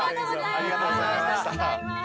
ありがとうございます。